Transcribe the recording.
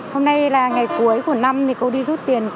hôm nay là ngày cuối của năm thì cô đi rút tiền